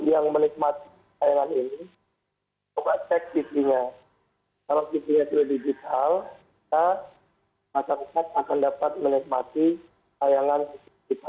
ya masyarakat yang menikmati tayangan ini coba cek tv nya